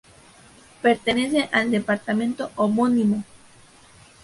Pertenece al departamento homónimo.